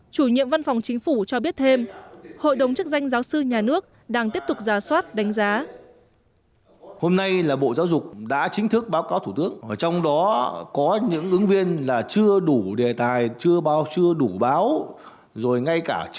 chủ nhiệm văn phòng chính phủ cho biết thêm hội đồng chức danh giáo sư nhà nước đang tiếp tục ra soát đánh giá